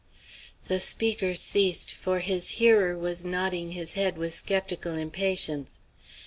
The speaker ceased, for his hearer was nodding his head with sceptical impatience.